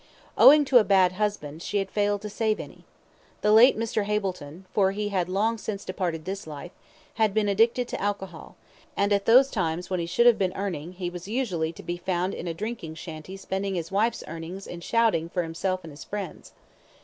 Owing to a bad husband, she had failed to save any. The late Mr. Hableton for he had long since departed this life had been addicted to alcohol, and at those times when he should have been earning, he was usually to be found in a drinking shanty spending his wife's earnings in "shouting" for himself and his friends.